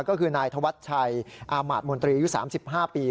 ก็คือนายธวรรษชัยอาหมาตย์มนตรียุทธ์๓๕ปี